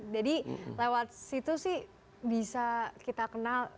jadi lewat situ sih bisa kita kenal